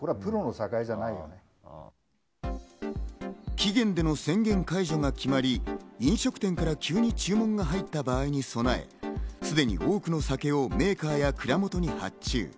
期限での宣言解除が決まり、飲食店から急に注文が入った場合に備え、すでに多くの酒をメーカーや蔵元に発注。